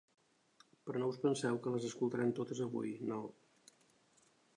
Però no us penseu que les escoltarem totes avui, no.